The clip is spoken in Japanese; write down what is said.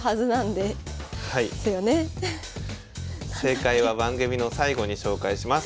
正解は番組の最後に紹介します。